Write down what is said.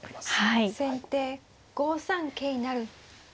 先手５三桂成。